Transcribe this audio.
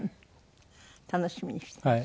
楽しみにしてます。